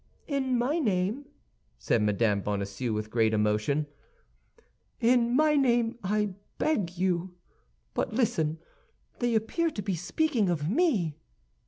"In my name," said Mme. Bonacieux, with great emotion, "in my name I beg you! But listen; they appear to be speaking of me."